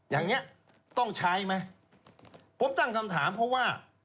อย่างนี้ต้องใช้ไหมผมตั้งคำถามเพราะว่า